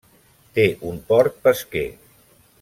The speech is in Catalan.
Té un port pesquer.